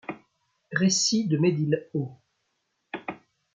Récits de Médilhault.